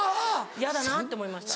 ヤダなって思いました。